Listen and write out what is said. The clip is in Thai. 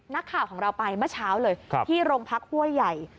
นักข่าวของเราไปเมื่อเช้าเลยที่โรงพักห้วยใหญ่